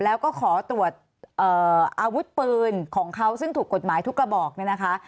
แล้วก็ขอตรวจอาวุธปืนของเขาซึ่งถูกกฎหมายทุกกระบอกเนี่ยนะคะ